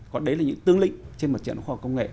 còn đấy là những tướng lĩnh trên mặt trận khoa học công nghệ